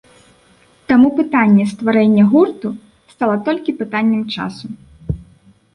Таму пытанне стварэння гурту стала толькі пытаннем часу.